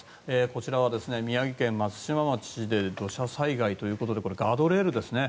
こちらは宮城県松島町で土砂災害ということでこれ、ガードレールですね。